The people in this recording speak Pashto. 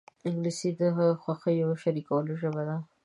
انګلیسي د خوښیو شریکولو ژبه ده